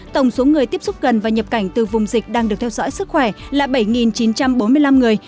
tổng số người tiếp xúc gần và nhập cảnh từ vùng dịch đang được theo dõi sức khỏe là bảy chín trăm bốn mươi năm người